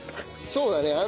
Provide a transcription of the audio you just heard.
そうだね